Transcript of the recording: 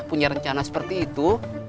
punya rencana seperti itu